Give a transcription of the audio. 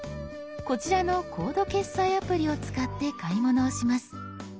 こちらのコード決済アプリを使って買い物をします。